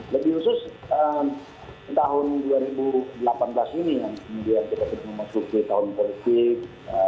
lebih khusus tahun dua ribu delapan belas ini yang kemudian kita sudah memasuki tahun politik